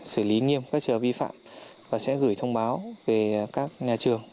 xử lý nghiêm các trở vi phạm và sẽ gửi thông báo về các nhà trường